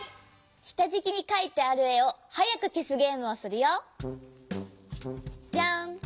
したじきにかいてあるえをはやくけすゲームをするよ。じゃん！